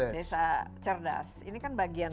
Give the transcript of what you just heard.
desa cerdas ini kan bagian